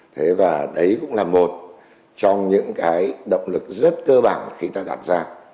thế và đấy cũng là một trong những cái động lực rất cơ bản khi ta đạt ra